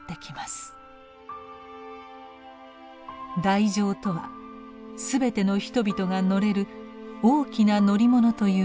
大乗とは「すべての人々が乗れる大きな乗り物」という意味。